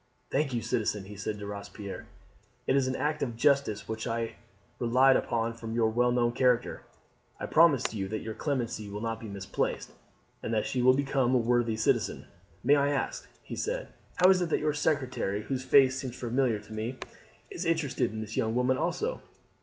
"Thank you, citizen," he said to Robespierre. "It is an act of justice which I relied upon from your well known character. I promise you that your clemency will not be misplaced, and that she will become a worthy citizen. May I ask," he said, "how it is that your secretary, whose face seems familiar to me, is interested in this young woman also?"